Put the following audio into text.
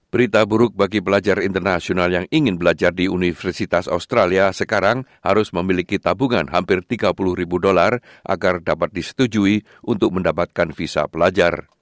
berita buruk bagi pelajar internasional yang ingin belajar di universitas australia sekarang harus memiliki tabungan hampir tiga puluh ribu dolar agar dapat disetujui untuk mendapatkan visa belajar